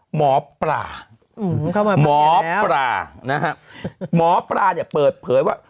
หมอปลาหมอปลานะฮะหมอปลาเนี่ยเปิดเผยว่า